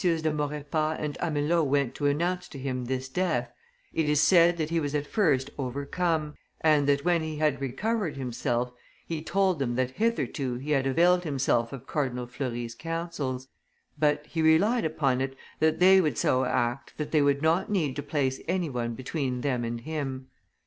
de Maurepas and Amelot went to announce to him this death, it is said that he was at first overcome, and that when he had recovered himself, he told them that hitherto he had availed himself of Cardinal Fleury's counsels; but he relied upon it that they would so act, that they would not need to place any one between them and him.